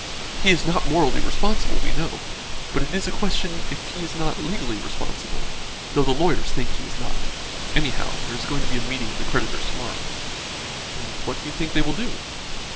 He is not morally responsible, we know; but it is a question if he is not legally responsible, though the lawyers think he is not. Anyhow, there is going to be a meeting of the creditors to morrow." "And what do you think they will do?"